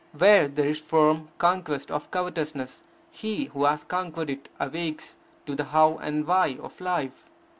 Where there is firm conquest of covetousness, he who has conquered it awakes to the how and why of life.